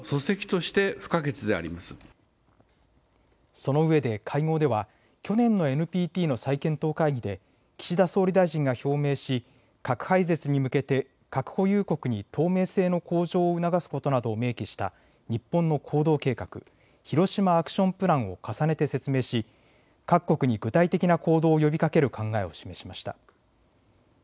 そのうえで会合では去年のＮＰＴの再検討会議で岸田総理大臣が表明し核廃絶に向けて核保有国に透明性の向上を促すことなどを明記した日本の行動計画、ヒロシマ・アクション・プランを重ねて説明し各国に具体的な行動を呼びかける考えを示しました。